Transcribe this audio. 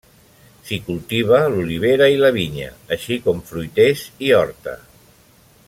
S'hi cultiva l'olivera i la vinya, així com fruiters i horta.